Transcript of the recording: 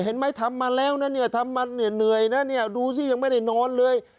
เห็นไหมทำมาแล้วนะทำมาเหนื่อยนะดูสิยังไม่ได้นอนเลย